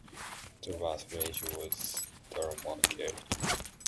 The last manager was Dermot Keely.